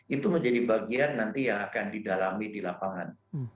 itu menjadi bagian nanti yang akan didalami di lapangan